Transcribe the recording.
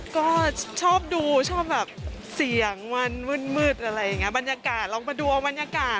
ก็ชอบดูชอบแบบเสียงวันมืดอะไรอย่างนี้บรรยากาศลองมาดูเอาบรรยากาศ